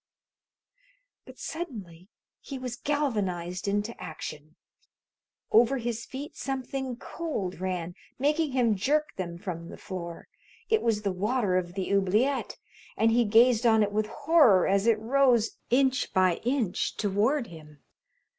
But suddenly he was galvanized into action. Over his feet something cold ran, making him jerk them from the floor. It was the water of the oubliette, and he gazed on it with horror as it rose, inch by inch, toward him.